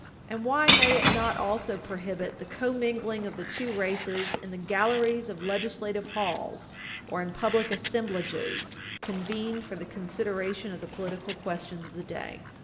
And why may it not also prohibit the commingling of the two races in the galleries of legislative halls or in public assemblages convened for the consideration of the political questions of the day?